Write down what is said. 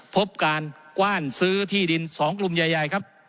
พบการกว้านซื้อที่ดิน๒กลุ่มใหญ่ครับ